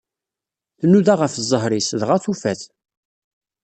Tnuda ɣef zzheṛ-is, dɣa tufa-t